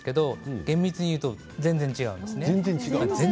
厳密に言うと全然違うんです。